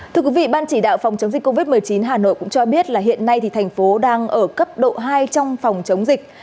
thưa quý vị ban chỉ đạo phòng chống dịch covid một mươi chín hà nội cũng cho biết là hiện nay thì thành phố đang ở cấp độ hai trong phòng chống dịch